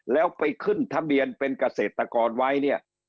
แล้วไปขึ้นทะเบียนเป็นเกษตรกรไว้เนี่ย